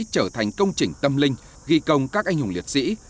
trở thành công trình tâm linh ghi công các anh hùng liệt sĩ